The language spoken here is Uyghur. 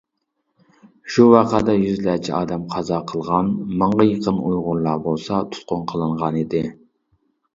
شۇ ۋەقەدە يۈزلەرچە ئادەم قازا قىلغان، مىڭغا يېقىن ئۇيغۇرلار بولسا تۇتقۇن قىلىنغان ئىدى.